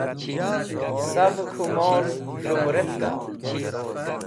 Savẽ k̃hũ mol z̃hẽmũretka?